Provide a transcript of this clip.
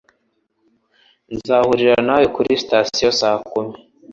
Nzahurira nawe kuri sitasiyo saa kumi